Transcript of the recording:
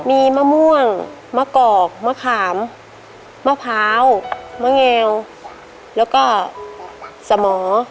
มีมะม่วงมะกอกมะขามมะพร้าวมะแงวแล้วก็สมอ